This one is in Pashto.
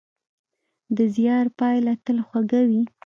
د زیار پایله تل خوږه وي.